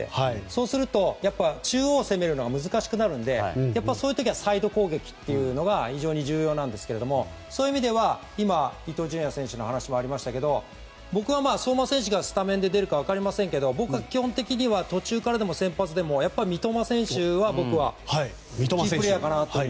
そうすると中央を攻めるのは難しくなるのでそういう時はサイド攻撃が非常に重要なんですけどそういう意味では今伊東純也選手の話もありましたが相馬選手がスタメンで出るか分かりませんが僕は基本的には途中からでも先発でも三笘選手は僕はキープレーヤーかと。